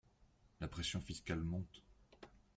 La pression fiscale monte.